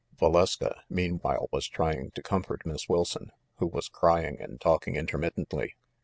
Valeska, meanwhile, was trying to comfort Miss Wilson, who was crying and talking intermittently.